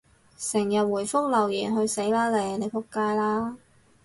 成日回覆留言，去死啦你！你仆街啦！